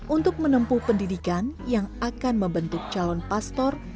untuk menempuh pendidikan yang akan membentuk calon pastor